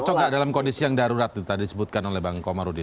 cocok nggak dalam kondisi yang darurat tadi disebutkan oleh bang komarudin